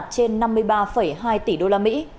trên năm mươi ba hai tỷ usd